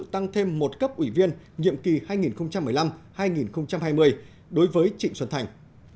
tăng thêm một cấp ủy viên nhiệm kỳ hai nghìn một mươi năm hai nghìn hai mươi đối với trịnh xuân thành